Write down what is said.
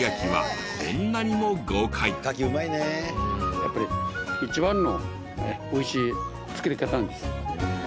やっぱり一番の美味しい作り方なんです。